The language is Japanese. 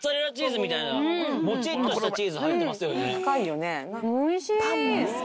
深いよね。